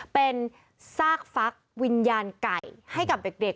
เป็นซากฟักวิญญาณไก่ให้กับเด็ก